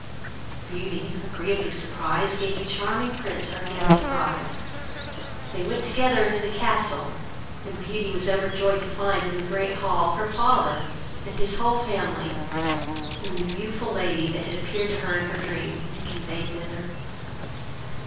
Beauty, agreeably surprised, gave the charming Prince her hand to rise; they went together into the castle, and Beauty was overjoyed to find, in the great hall, her father and his whole family, whom the beautiful lady, that appeared to her in her dream, had conveyed thither.